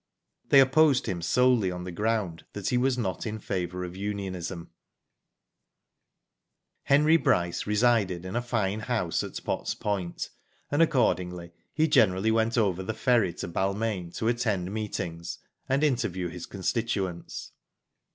They opposed him solely on the ground that he* was not in favour of unionism. Digitized byGoogk 12 WHO DID IT? Henry Bryce resided in a fine house at Potts Point, and accordingly, he generally went over the ferry to Balmain to attend meetings, and interview his constituents.